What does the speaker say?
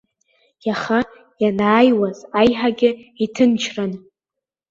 Иаха ианааиуаз аиҳагьы иҭынчран.